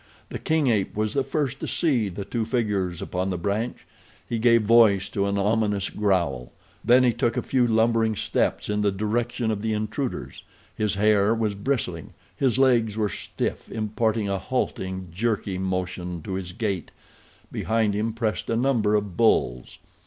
The king ape was the first to see the two figures upon the branch. He gave voice to an ominous growl. Then he took a few lumbering steps in the direction of the intruders. His hair was bristling. His legs were stiff, imparting a halting, jerky motion to his gait. Behind him pressed a number of bulls.